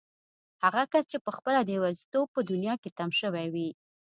هغه کس چې پخپله د يوازيتوب په دنيا کې تم شوی وي.